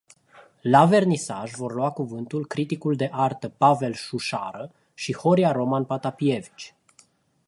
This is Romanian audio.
La vernisaj vor lua cuvântul criticul de artă Pavel Șușară și Horia Roman Patapievici.